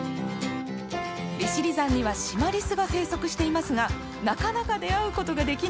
利尻山にはシマリスが生息していますがなかなか出会うことができない。